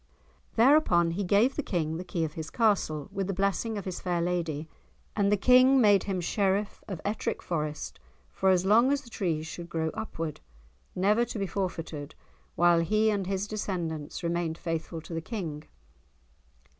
Thereupon he gave the King the key of his castle, with the blessing of his fair lady, and the King made him Sheriff of Ettrick Forest for as long as the trees should grow upward, never to be forfeited while he and his descendants remained faithful to the King.